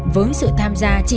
với sự tham gia trong tòa án